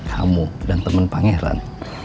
kamu dan temen pak regan